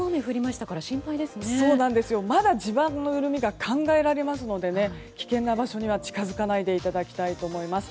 まだ地盤の緩みが考えられますので危険な場所には近づかないでいただきたいと思います。